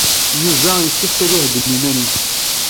Yuba yessefk ad ihedden iman-nnes.